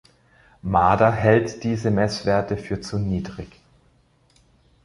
Mader hält diese Messwerte für zu niedrig.